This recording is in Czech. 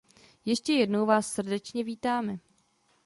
Ještě jednou vás srdečně vítáme!